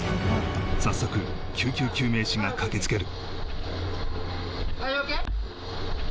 早速救急救命士が駆けつける